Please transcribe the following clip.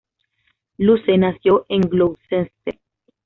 Luce nació en Gloucester.